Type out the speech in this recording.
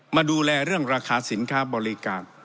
มาดูแลเรื่องราคาสินค้าบริการ